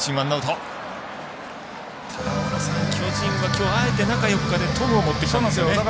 ただ、巨人はきょう、あえて中４日で戸郷を持ってきたんですよね。